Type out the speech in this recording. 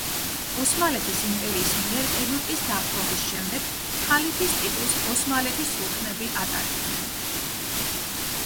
ოსმალეთის იმპერიის მიერ ეგვიპტის დაპყრობის შემდეგ ხალიფის ტიტულს ოსმალეთის სულთნები ატარებდნენ.